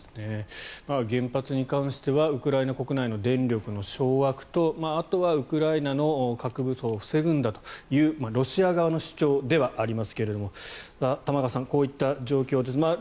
原発に関してはウクライナ国内の電力の掌握とあとはウクライナの核武装を防ぐんだというロシア側の主張ではありますが玉川さん、こういった状況です。